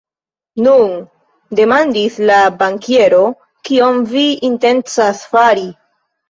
Nun, demandis la bankiero, kion vi intencas fari?